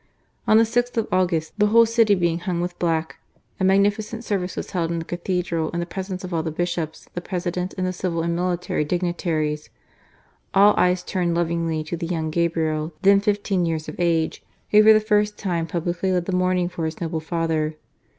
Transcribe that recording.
On the 6th of August, the whole city being hung with black, a magnificent service was held in the Cathedral in the presence of all the Bishops, the President, and the civil and military dignitaries. All eyes turned lovingly to the young Gabriel, then fifteen years of age, who for the first time publicly led the mourning for his noble father.